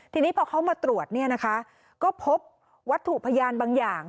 ทีนี้พอเขามาตรวจเนี่ยนะคะก็พบวัตถุพยานบางอย่าง